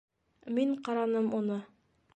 Мин ҡараным уны.